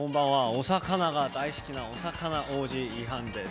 お魚が大好きなお魚王子ＬＥＥＨＡＮです。